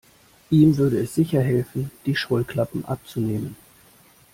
Ihm würde es sicher helfen, die Scheuklappen abzunehmen.